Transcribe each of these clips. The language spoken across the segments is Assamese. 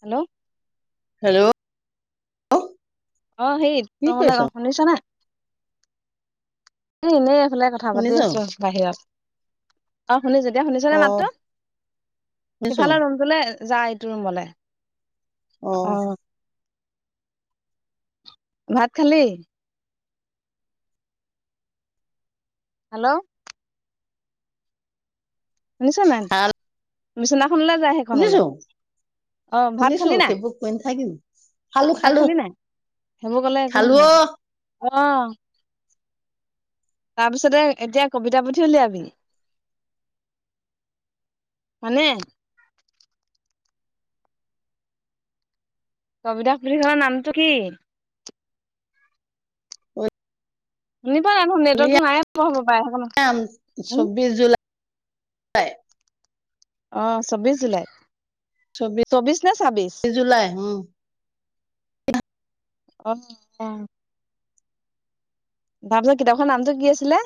হেল্ল'। হেল্ল'। অ', সেই কি কৰিছ [unintelligible] শুনিছ নে? [unintelligible] ওলাই কথা পাতি শুনিছো আছো বাহিৰত। শুনিছো, এতিয়া শুনিছনে অ মাততো? শুনিছো সিফালে ৰুমটোলে যা ইটো ৰুমলে। অ'। ভাত খালি? হেল্ল'। শুনিছ নাই? খাল [unintelligible] [unintelligible] সেইখনলে, শুনিছো অ', ভাত শুনিছো খালি নাই? সেইবোৰ কৈ [inaudible] ভাত খালী নাই? সেইবোৰ কলে একো খালো অ নহয়। অ', তাৰপিছতে এতিয়া কবিতা পুঠি উলিয়াবি, হয়নে? কবিতা পুথিখনৰ নামটো কি? [unintelligible] নেটৱৰ্কতটো নাই। [unintelligible] চৌব্বিশ জুলাই [unintelligible] অ', চৌব্বিশ জুলাই। চৌবি চৌবিশ নে ছাব্বিশ জুলাই উম, [inaudible] অ', অ'। তাপিছত কিতাপখনৰ নামটো কি আছিলে?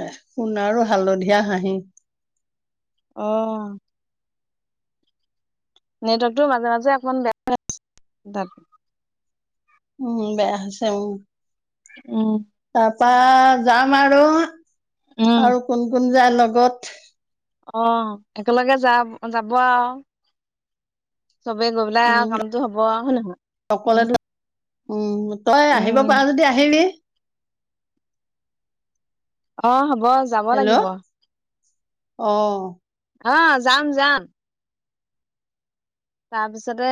এ, সোণাৰু হালধীয়া হাঁহি। অ'। নেটৱৰ্কটো মাজে, মাজে অকমান বেয়া [inaudible] উম, বেয়া হৈছে উম। উম। [unintelligible] যাম আৰু। উম। আৰু কোন, কোন যায় লগ আগত অ' একেলগে য যাব আৰু চবে গৈ পেলাই উম আৰু কামটো হ'ব হয় নহয়। অকলে উম, তই উম, আহিব পাৰ যদি আহিবি। অ, হ'ব ব, যাব হেল্ল' লাগিব। অ' আ, যাম, যাম। তাৰপিছতে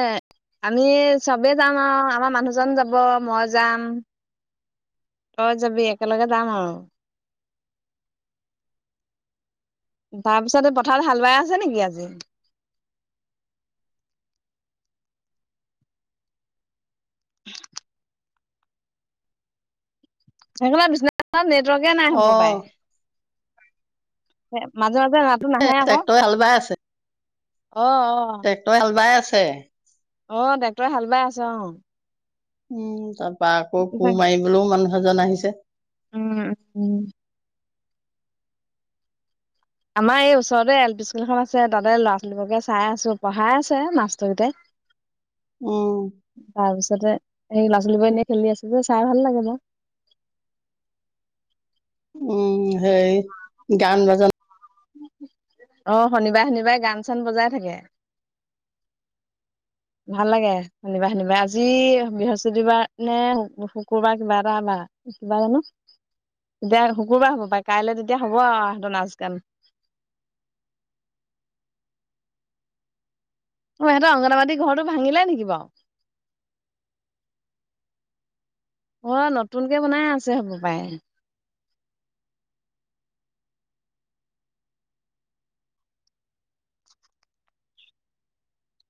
আমি চবেই যাম আৰু আমাৰ মানুহজন যাব, মই যাম, তই যাবি, একেলগে যাম আৰু তাৰ পিছতে পথাৰত হাল বাই আছ নেকি আজি? [inaudible] হ'ব দে, [unintelligible] নেট ৱৰ্কে নাই অ হ'ব পায় [inaudible] মাতটো নাহে আকৌ ট্ৰেক্টৰে হাল বাই আছে। অ' ট্ৰেক্টৰে হাল বাই আছে। চে। অ', ট্ৰেক্টৰে হাল বাই আছে, অ' উম, তা পা আকৌ কোৰ মাৰিবলৈও মানুহ ভজন আহিছে। উম, উম। আমাৰ এই ওচৰতে এল পি স্কুল এখন আছে তাতে ল'ৰা-ছোৱালীবোৰকে চাই আছোঁ পঢ়াই আছে মাষ্টৰকেইটাই। উম, তাৰপিছতে সেই ল'ৰা-ছোৱালীবোৰ এনেই খেলি আছে যে চাই ভাল লাগে মে। উম, সেই গান বাজন অ', শনিবাৰে, শনিবাৰে গান চান বজাই থাকে। ভাল লাগে, শনিবাৰ, শনিবাৰে আজি বৃহস্পতিবাৰ নে শুকুৰবাৰ কিবা এটা বাৰ কিবা জানো তেতিয়া শুকুৰবাৰ হ'ব পাৰে কাইলৈ তেতিয়া হ'ব আৰু হঁতৰ নাচ গান। অ', ইহঁতৰ অংগনাবাদীৰ ঘৰটো ভাঙিলে নেকি বাৰু? অ', নতুনকে বনাই আছে হ'ব পাৰে।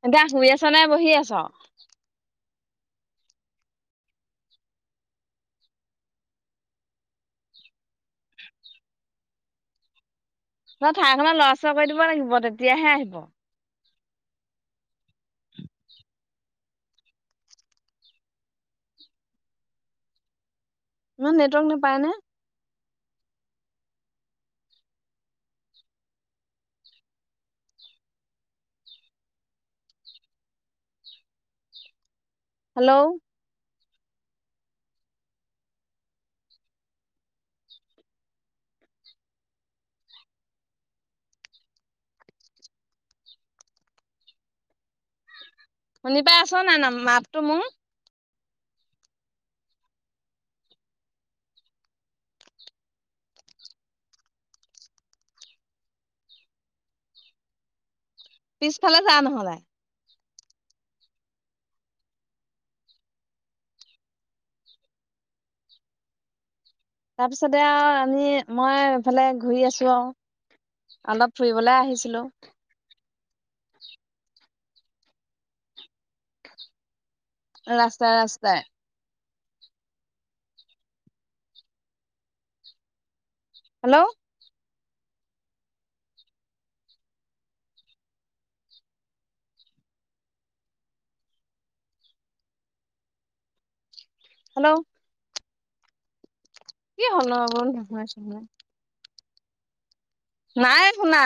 এতিয়া শুই আছ' নে বহি আছ'? ন' ঠাইখনত ল'ৰ চৰ কৰি দিব লাগিব তেতিয়াহে আহিব। [inaudible] ইমান নেটৱৰ্ক নাপায় নে। হেল্ল'। শুনি পাই আছ' নাই ন' মাতটো মোৰ। পিছফালে যা নহ'লে। তাৰপিছতে আৰু আমি মই এইফালে ঘূৰি আছোঁ আৰু অলপ ফুৰিবলৈ আহিছিলোঁ। ৰাস্তাই, ৰাস্তাই। হেল্ল'। হেল্ল'। কি হ'ল [unintelligible] নাই শুনা।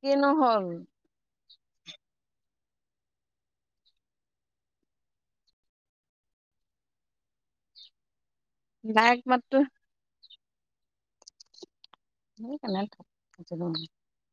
কিনো হ'ল? [unintelligible] মাততো [unintelligible]